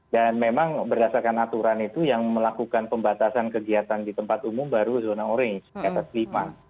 memang berdasarkan aturan itu yang melakukan pembatasan kegiatan di tempat umum baru zona orange di atas lima